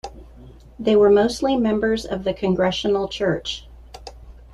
They were mostly members of the Congregational Church.